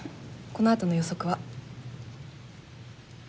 このあとの予測は？